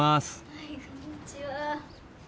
はいこんにちは。